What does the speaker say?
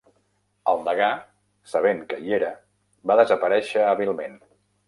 El degà, sabent que hi era, va desaparèixer hàbilment.